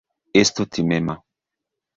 Estu timema.